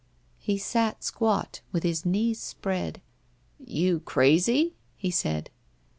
He sat squat, with his knees spread You crazy?" he said.